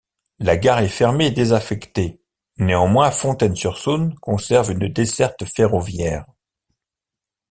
La gare est fermée et désaffectée, néanmoins Fontaines-sur-Saône conserve une desserte ferroviaire.